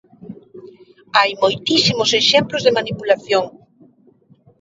Hai moitísimos exemplos de manipulación.